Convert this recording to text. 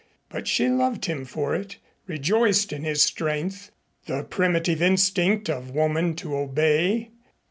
But she loved him for it, rejoiced in his strength the primitive instinct of woman to obey.